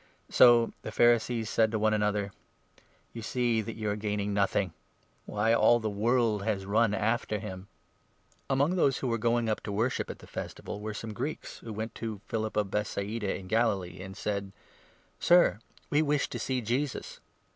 So the 19 Pharisees said to one another :" You see that you are gaining nothing ! Why, all the world has run after him !" Jesus closes Among those who were going up to worship at 20 his public the Festival were some Greeks, who went to 21 Ministry. Philip of Bethsaida in Galilee, and said :" Sir, we wish to see Jesus."